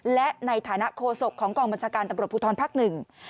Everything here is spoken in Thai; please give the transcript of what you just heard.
และในฐานะโคศกของกองบัญชาการตำรวจภูทรภักดิ์หนึ่ง